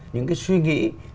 những cái suy nghĩ